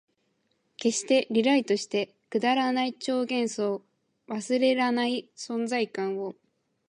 消して、リライトして、くだらない超幻想、忘れらない存在感を